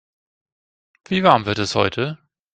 Wie warm wird es heute?